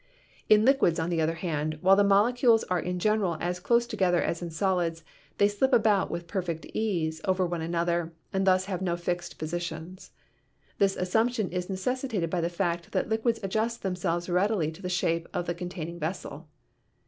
"In liquids, on the other hand, while the molecules are in general as close together as in solids, they slip about with perfect ease over one another and thus have no fixed positions. This assumption is necessitated by the fact that liquids adjust themselves readily to the shape of the con taining vessel.